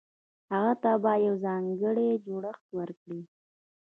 هغه ته به يو ځانګړی جوړښت ورکړي.